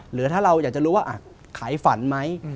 หรือถ้าเราอยากจะรู้ว่าขายฝันไหม